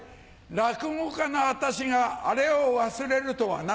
落語家の私がアレを忘れるとはな。